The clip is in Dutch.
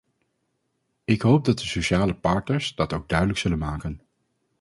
Ik hoop dat de sociale partners dat ook duidelijk zullen maken.